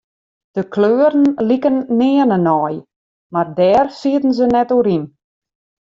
De kleuren liken nearne nei, mar dêr sieten se net oer yn.